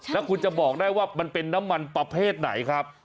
แล้วคุณจะบอกได้ว่ามันเป็นน้ำมันประเภทไหนครับ